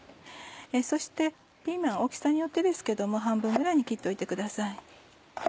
そしてピーマン大きさによってですけども半分ぐらいに切っておいてください。